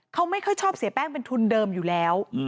เขาไม่ค่อยชอบเสียแป้งเป็นทุนเดิมอยู่แล้ว